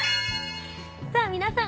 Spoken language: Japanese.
さぁ皆さん